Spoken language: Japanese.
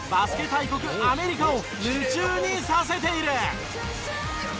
大国アメリカを夢中にさせている。